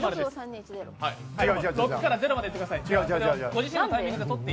６から０まで言ってください。